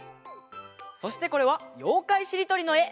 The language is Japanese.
そしてこれは「ようかいしりとり」のえ。